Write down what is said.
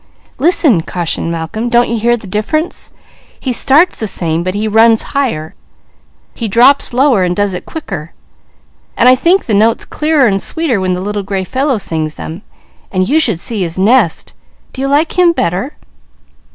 "Listen!" cautioned Malcolm. "Don't you hear the difference? He starts the same, but he runs higher, he drops lower, and does it quicker, and I think the notes clearer and sweeter when the little gray fellow sings them, and you should see his nest! Do you like him better?"